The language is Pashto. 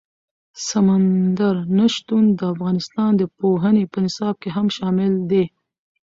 سمندر نه شتون د افغانستان د پوهنې په نصاب کې هم شامل دي.